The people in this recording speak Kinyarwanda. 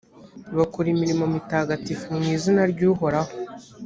bakora imirimo mitagatifu mu izina ry’uhoraho.